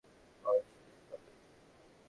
পরে সুযোগ পাবে।